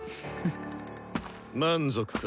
満足か。